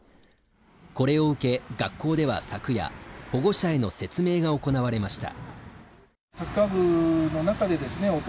これを受け学校では昨夜保護者への説明が行われました